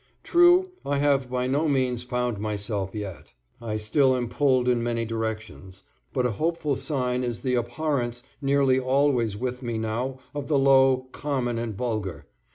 True, I have by no means found myself yet. I still am pulled in many directions, but a hopeful sign is the abhorrence nearly always with me now of the low, common and vulgar.